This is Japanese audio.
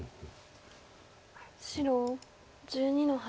白１２の八。